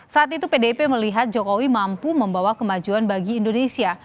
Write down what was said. saat itu pdip melihat jokowi mampu membawa kemajuan bagi indonesia